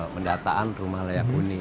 pendataan rumah layak huni